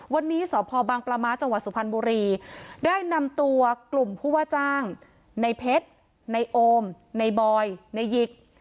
วันนี้สพบังปลาม้าจังหวัดสุพรรณบุรีได้นำตัวกลุ่มผู้ว่าจ้างในเพชรในโอมในบอยในหยิก